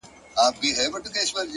ځوان د پوره سلو سلگيو څه راوروسته!